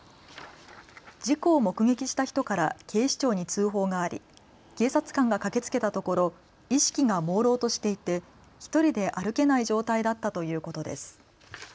事故を目撃した人から警視庁に通報があり警察官が駆けつけたところ、意識がもうろうとしていて１人で歩けない状態だったということです。